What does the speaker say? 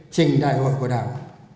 trình đại hội của đảng